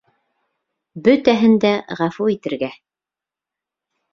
Бөтәһен дә ғәфү итергә.